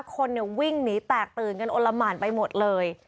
คนวิ่งหนีแตกตื่นกันอลละหมานไปหมดเลย